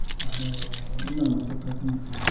今も全く変わってません。